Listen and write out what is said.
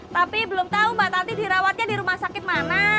tapi belum tahu mbak tati dirawatnya di rumah sakit mana